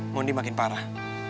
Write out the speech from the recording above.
mondi makin parah